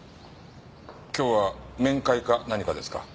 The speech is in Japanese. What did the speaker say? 今日は面会か何かですか？